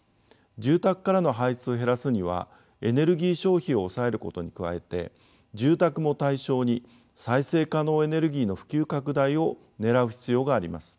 住宅からの排出を減らすにはエネルギー消費を抑えることに加えて住宅も対象に再生可能エネルギーの普及拡大をねらう必要があります。